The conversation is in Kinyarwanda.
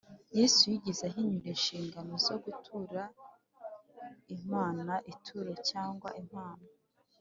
yesu yigeze ahinyura inshingano zo gutura imana ituro cyangwa impano